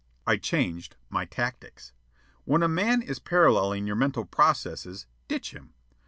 I changed my tactics. When a man is paralleling your mental processes, ditch him.